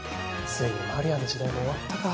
ついに丸谷の時代も終わったか。